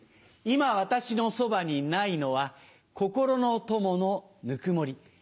今私のそばにないのは心の友のぬくもり。